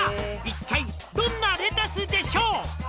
「一体どんなレタスでしょう」